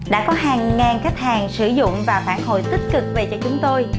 đã có hàng ngàn khách hàng sử dụng và phản hồi tích cực về cho chúng tôi